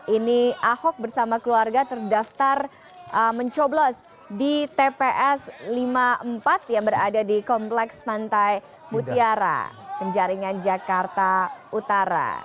ini ahok bersama keluarga terdaftar mencoblos di tps lima puluh empat yang berada di kompleks pantai mutiara penjaringan jakarta utara